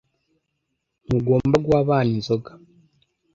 Ntugomba guha abana inzoga.